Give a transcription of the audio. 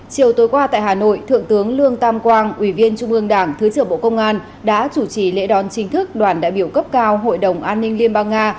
chiều tối qua tại hà nội thượng tướng lương tam quang ủy viên trung ương đảng thứ trưởng bộ công an đã chủ trì lễ đón chính thức đoàn đại biểu cấp cao hội đồng an ninh liên bang nga